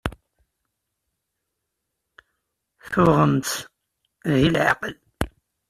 Tuɣem-tt deg leɛqel?